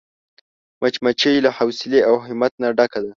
مچمچۍ له حوصلې او همت نه ډکه ده